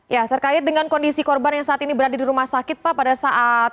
ya terkait dengan kondisi korban yang saat ini berada di rumah sakit pak pada saat